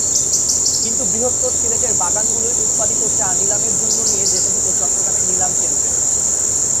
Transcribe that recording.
কিন্তু বৃহত্তর সিলেটের বাগানগুলোয় উৎপাদিত চা নিলামের জন্য নিয়ে যেতে হত চট্টগ্রামের নিলাম কেন্দ্রে।